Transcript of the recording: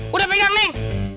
udah pegang nih